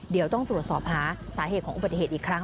เดี๋ยวต้องตรวจสอบหาสาเหตุของอุบัติเหตุอีกครั้ง